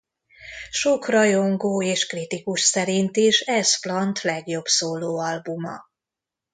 Sok rajongó és kritikus szerint is ez Plant legjobb szólóalbuma.